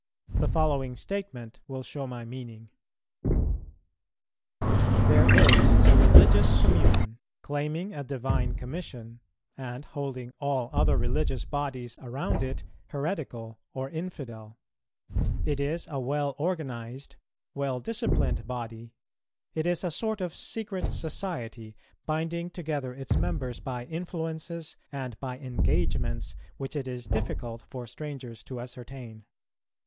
The following statement will show my meaning: There is a religious communion claiming a divine commission, and holding all other religious bodies around it heretical or infidel; it is a well organized, well disciplined body; it is a sort of secret society, binding together its members by influences and by engagements which it is difficult for strangers to ascertain.